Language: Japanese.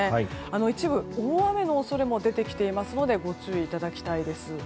一部、大雨の恐れも出てきていますのでご注意いただきたいです。